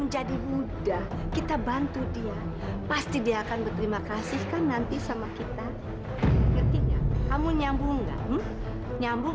jadi muda kita bantu dia pasti dia akan berterima kasih kan nanti sama kita kamu nyambung nyambung